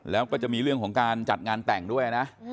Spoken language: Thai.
แล้วก็จะมีเรื่องของการจัดงานแต่งด้วยนะ